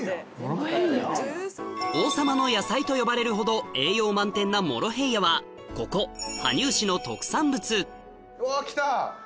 王様の野菜と呼ばれるほど栄養満点なモロヘイヤはここうわ来た！